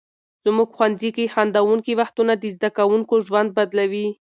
زموږ ښوونځي کې خندونکي وختونه د زده کوونکو ژوند بدلوي.